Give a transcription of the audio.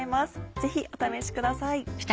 ぜひお試しください。